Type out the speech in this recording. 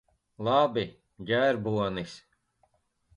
Labi. Ģērbonis.